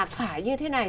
phải như thế này